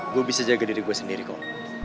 gue bisa jaga diri gue sendiri kok